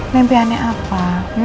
mimpi aneh apa